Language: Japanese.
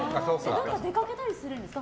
どこか出かけたりするんですか。